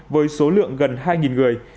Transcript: với số lượng gần hai người